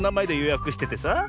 やくしててさ。